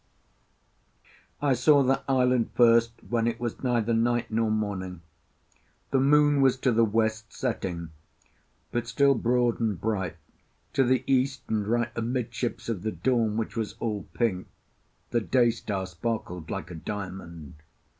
I saw that island first when it was neither night nor morning. The moon was to the west, setting, but still broad and bright. To the east, and right amidships of the dawn, which was all pink, the daystar sparkled like a diamond.